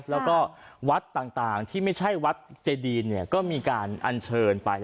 แล้วก็วัดต่างที่ไม่ใช่วัดเจดีนก็มีการอัญเชิญไป